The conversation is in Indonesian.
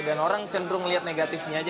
dan orang cenderung melihat negatifnya aja